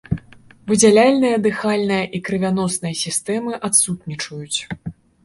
Выдзяляльная, дыхальная і крывяносная сістэмы адсутнічаюць.